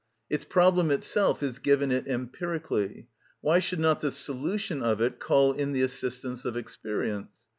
Its problem itself is given it empirically; why should not the solution of it call in the assistance of experience?